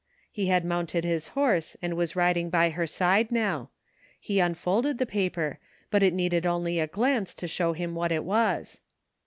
" He had mounted his horse and was riding by her side now. He unfolded the paper, but it needed only a glance to show him what it was.